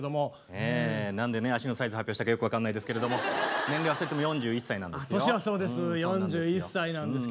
ね何でね足のサイズ発表したかよく分かんないですけれども年齢は２人とも４１歳なんですよ。